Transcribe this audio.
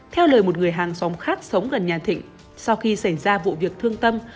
theo lời một người hàng xóm khác sống gần nhà thịnh sau khi xảy ra vụ việc thương tâm